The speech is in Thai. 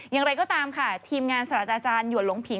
อย่างไรก็ตามค่ะทีมงานสรรค์อาจารย์หยวดหลงผีน